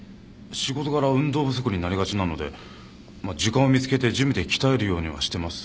仕事柄運動不足になりがちなので時間を見つけてジムで鍛えるようにはしてます。